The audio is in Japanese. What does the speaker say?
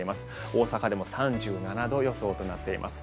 大阪でも３７度予想となっています。